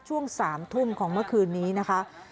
ช่วง๓ทุ่มของเมื่อคืนนี้นะคะ